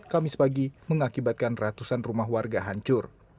kamis pagi mengakibatkan ratusan rumah warga hancur